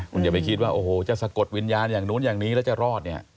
คุณอย่าไปคิดว่าโอ้โหจะสะกดวิญญาณอย่างนู้นอย่างนี้แล้วจะรอดเนี่ย